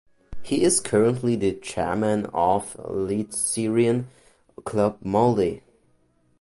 He is currently the chairman of Eliteserien club Molde.